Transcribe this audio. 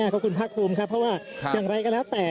ขอบคุณภาคภูมิครับเพราะว่าอย่างไรก็แล้วแต่